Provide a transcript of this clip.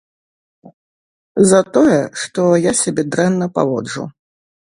За тое, што я сябе дрэнна паводжу.